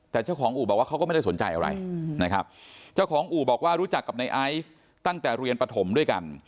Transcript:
แต่เจ้าของอู่บอกว่าเขาก็ไม่ได้สนใจอะไรนะครับเจ้าของอู่บอกว่ารู้จักกับในไอซ์ตั้งแต่เรียนปฐมด้วยกัน